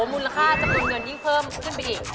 มูลค่าจำนวนเงินยิ่งเพิ่มขึ้นไปอีก